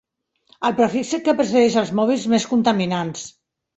El prefix que precedeix els mòbils més contaminants.